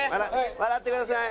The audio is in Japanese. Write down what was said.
笑ってください。